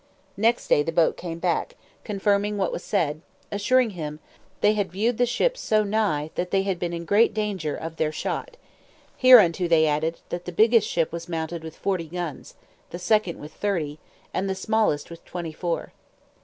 Next day the boat came back, confirming what was said; assuring him, they had viewed the ships so nigh, that they had been in great danger of their shot, hereunto they added, that the biggest ship was mounted with forty guns, the second with thirty, and the smallest with twenty four.